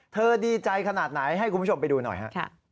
ดีใจขนาดไหนให้คุณผู้ชมไปดูหน่อยฮะ